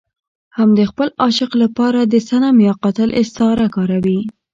هم د خپل عاشق لپاره د صنم يا قاتل استعاره کاروي.